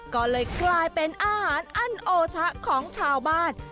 ก็เลยกลายเป็นอาหารอั้นโอชะของชาวบ้าน